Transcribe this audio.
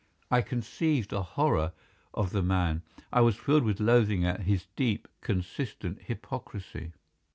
I conceived a horror of the man. I was filled with loathing at his deep, consistent hypocrisy.